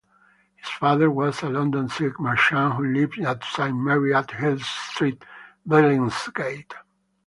His father was a London silk merchant who lived at Saint Mary-at-Hill Street, Billingsgate.